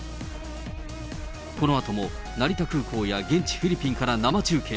このあとも成田空港や現地フィリピンから生中継。